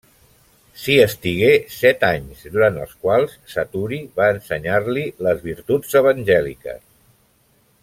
S'hi estigué set anys, durant els quals Saturi va ensenyar-li les virtuts evangèliques.